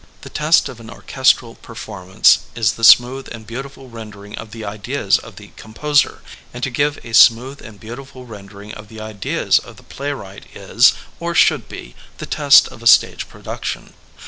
The test of an orchestral performance is the smooth and beautiful rendering of the ideas of the composer, and to give a smooth and beautiful rendering of the ideas of the playwright is, or should be, the test of a stage production.